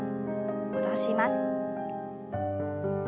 戻します。